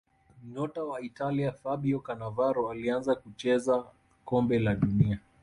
nyota wa italia fabio canavaro alianza kucheza kombe la dunia